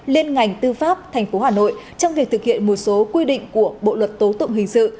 liên ngành tư pháp tp hà nội trong việc thực hiện một số quy định của bộ luật tố tụng hình sự